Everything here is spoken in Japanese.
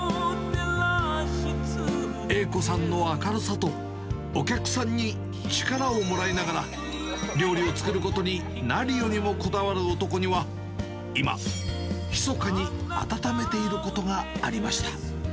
栄子さんの明るさと、お客さんに力をもらいながら、料理を作ることに何よりもこだわる男には、今、ひそかに温めていることがありました。